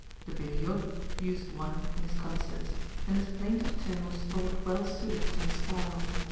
De Beriot used one in his concerts, and its plaintive tone was thought well suited to his style.